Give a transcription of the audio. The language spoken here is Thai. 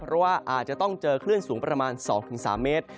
เพราะว่าอาจจะต้องเจอคลื่นสูงประมาณ๒๓เมตร